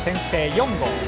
４号。